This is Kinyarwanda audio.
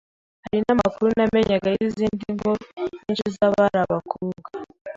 hari n’amakuru namenyaga y’izindi ngo nyinshi z’abari abakobwa